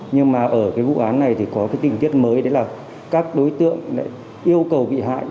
nhưng mà ở cái vụ án này thì có cái tình tiết mới đấy là các đối tượng lại yêu cầu bị hại